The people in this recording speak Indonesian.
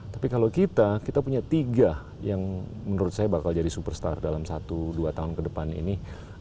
tapi kalau kita kita punya tiga yang menurut saya bakal jadi superstar dalam satu dua tahun ke depan ini